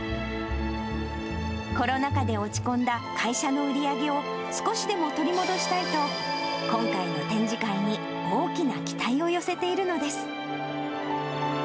コロナ禍で落ち込んだ会社の売り上げを少しでも取り戻したいと、今回の展示会に大きな期待を寄せているのです。